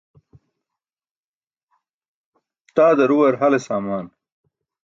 Taa daruwar hale saamaan.